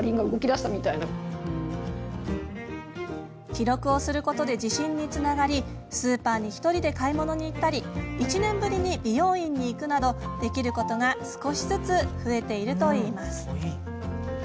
記録をすることで自信につながりスーパーに１人で買い物に行ったり１年ぶりに美容院に行くなどできることが少しずつ増えているといいます。